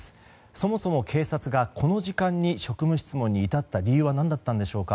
そもそも警察が、この時間に職務質問に至った理由は何だったのでしょうか。